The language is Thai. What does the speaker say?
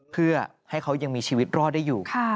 เพื่อให้เขายังมีชีวิตรอดได้อยู่